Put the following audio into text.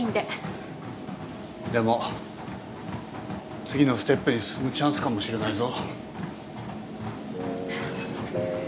でも次のステップに進むチャンスかもしれないぞ。